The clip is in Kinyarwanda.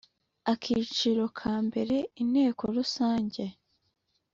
Akiciro ka mbere Inteko Rusange